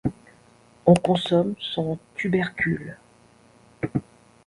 On consomme son tubercule.